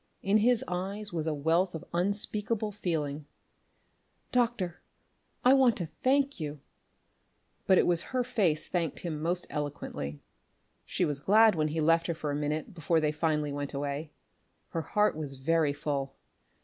In his eyes was a wealth of unspeakable feeling. "Doctor, I want to thank you!" but it was her face thanked him most eloquently. She was glad when he left her for a minute before they finally went away. Her heart was very full.